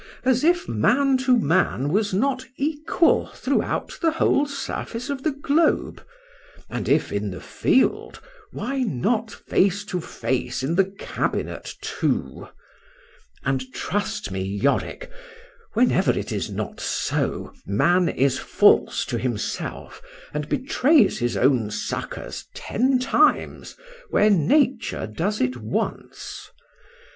as if man to man was not equal throughout the whole surface of the globe; and if in the field—why not face to face in the cabinet too? And trust me, Yorick, whenever it is not so, man is false to himself and betrays his own succours ten times where nature does it once.